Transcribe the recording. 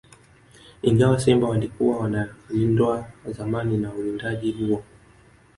Ingawa simba walikuwa wanawindwa zamani na uwindaji huo